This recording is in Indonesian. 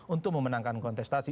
untuk memenangkan kontestasi